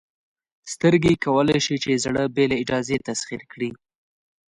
سترګې کولی شي چې زړه بې له اجازې تسخیر کړي.